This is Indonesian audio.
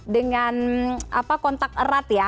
dengan kontak erat ya